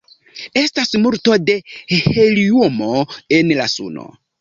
Estas multo da heliumo en la suno.